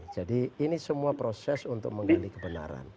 jadi ini semua proses untuk mengenai kebenaran